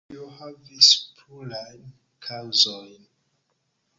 Tio havis plurajn kaŭzojn.